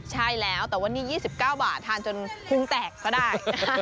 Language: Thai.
ใช่แล้วแต่วันนี้๒๙บาททานจนพุงแตกก็ได้